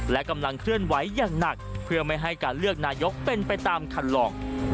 และกำลังเคลื่อนไหวอย่างหนักเพื่อไม่ให้การเลือกนายกเป็นไปตามคันลอง